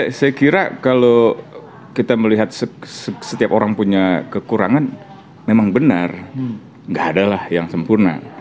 ya saya kira kalau kita melihat setiap orang punya kekurangan memang benar nggak adalah yang sempurna